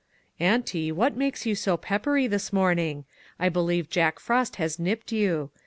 " Auntie, what makes you so peppery this morning? I believe Jack Frost has nipped you.